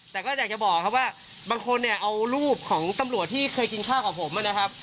แต่ก็อยากจะบอกครับว่าบางคนเนี่ยเอารูปของตำรวจที่เคยกินข้าวกับผมนะครับ